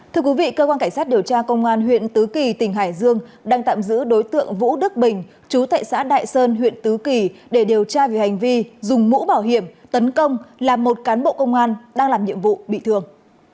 thưa quý vị cơ quan cảnh sát điều tra công an huyện tứ kỳ tỉnh hải dương đang tạm giữ đối tượng vũ đức bình chú thệ xã đại sơn huyện tứ kỳ để điều tra về hành vi dùng mũ bảo hiểm tấn công làm một cán bộ công an đang làm nhiệm vụ bị thương